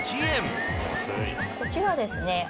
こちらですね。